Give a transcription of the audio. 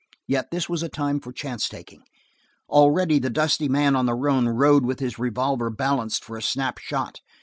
Yet this was a time for chance taking. Already the dusty man on the roan rode with his revolver balanced for the snap shot.